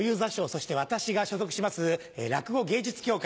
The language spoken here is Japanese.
そして私が所属します落語芸術協会。